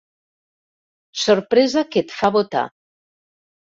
Sorpresa que et fa botar.